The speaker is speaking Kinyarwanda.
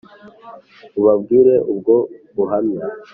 Ubabwire ubwo buhamya